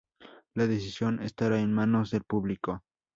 La decisión estará en manos del público.